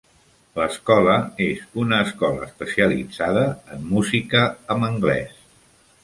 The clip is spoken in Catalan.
L'escola és una escola especialitzada en música amb anglès.